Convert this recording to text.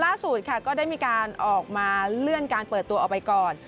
ล่าสุดค่ะก็ได้มีการออกมาเลื่อนการเปิดตัวออกไปก่อน